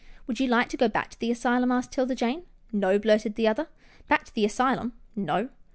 "Would you like to go back to the asylum?" asked 'Tilda Jane. " No," blurted the other, " back to the asyljim — no."